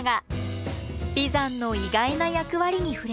眉山の意外な役割に触れます。